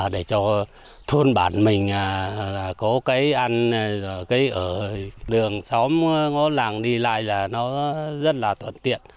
để cho thôn bản mình là có cái ăn cái ở đường xóm ngó làng đi lại là nó rất là tuần tiện